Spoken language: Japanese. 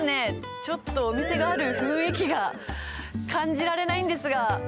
ちょっとお店がある雰囲気が感じられないんですが。